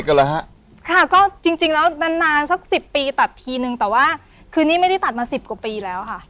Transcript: ค่ะก็จริงแล้วนานสัก๑๐ปีตัดทีนึงแต่ว่าคือนี้ไม่ได้ตัดมา๑๐กว่าปีแล้วค่ะ